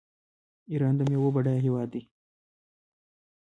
ایران د میوو بډایه هیواد دی.